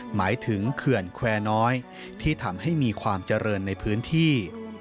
หมายถึงเขื่อนแควร์น้อยที่ทำให้มีความเจริญในพื้นที่